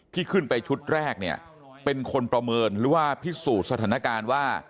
ที่ขึ้นไปชุดแรกเนี่ยเป็นคนประเมินหรือว่าพิสูจน์สถานการณ์ว่า